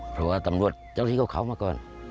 เพราะว่าตำรวจเจ้าที่เขามาก่อน